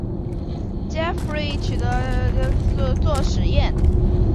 杰佛瑞取得几颗高爆性反坦克弹头之后去往萨里郡一间小型武器学校作测试。